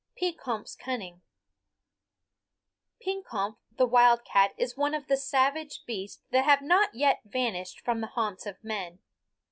PEKOMPF'S CUNNING Pekompf the wildcat is one of the savage beasts that have not yet vanished from the haunts of men.